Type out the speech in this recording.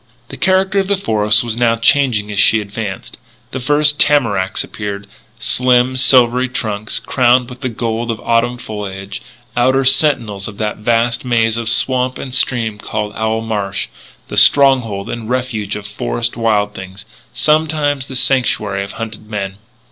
The character of the forest was now changing as she advanced. The first tamaracks appeared, slim, silvery trunks, crowned with the gold of autumn foliage, outer sentinels of that vast maze of swamp and stream called Owl Marsh, the stronghold and refuge of forest wild things sometimes the sanctuary of hunted men.